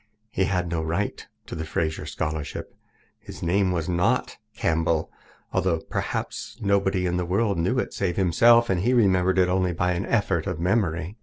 He had no right to the Fraser Scholarship. His name was not Campbell, although perhaps nobody in the world knew it save himself, and he remembered it only by an effort of memory.